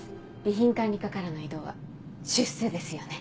備品管理課からの異動は出世ですよね？